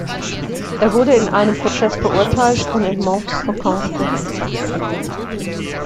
Er wurde in einem Prozess verurteilt und in Montfaucon gehängt.